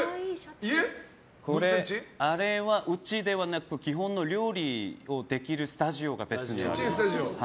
あれはうちではなく基本の料理をできるスタジオがあるんです。